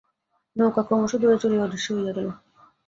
নৌকা ক্রমশ দূরে চলিয়া অদৃশ্য হইয়া গেল।